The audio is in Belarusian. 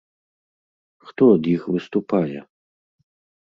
Хто ад іх выступае?